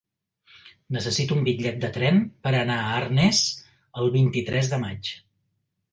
Necessito un bitllet de tren per anar a Arnes el vint-i-tres de maig.